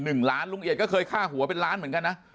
หนึ่งล้านลุงเอียดก็เคยฆ่าหัวเป็นล้านเหมือนกันนะ